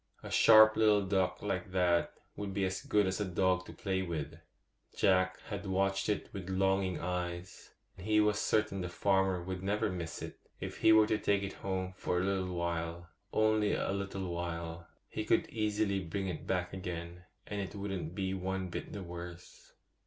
A sharp little duck like that would be as good as a dog to play with. Jack had watched it with longing eyes; he was certain the farmer would never miss it, if he were to take it home for a little while—only a little while; he could easily bring it back again, and it wouldn't be one bit the worse.